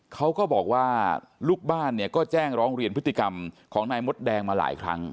เขาก็บอกว่าลูกบ้านเนี่ยก็แจ้งร้องเรียนพฤติกรรมของนายมดแดงมาหลายครั้ง